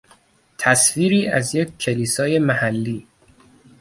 تصویری از یک کلیسای محلی